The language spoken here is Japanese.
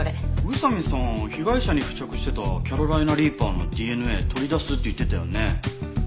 宇佐見さん被害者に付着してたキャロライナ・リーパーのＤＮＡ取り出すって言ってたよね。